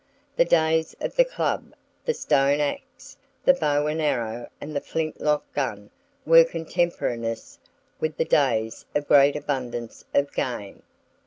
The days of the club, the stone axe, the bow and arrow and the flint lock gun were contemporaneous with the days of great abundance of game.